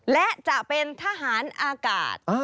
และจะเป็นทหารอากาศ